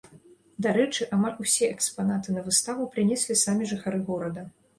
Дарэчы, амаль усе экспанаты на выставу прынеслі самі жыхары горада.